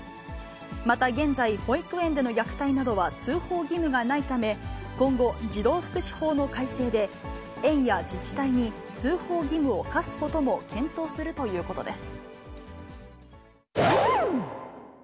また現在、保育園での虐待などは通報義務がないため、今後、児童福祉法の改正で、園や自治体に通報義務を課すことも検討するということです。